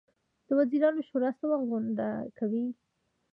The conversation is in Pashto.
د وزیرانو شورا څه وخت غونډه کوي؟